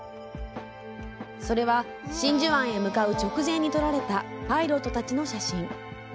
それは、真珠湾へ向かう直前に撮られたパイロットたちの写真。